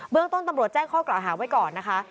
เรื่องต้นตำรวจแจ้งข้อกล่าวหาไว้ก่อนนะคะ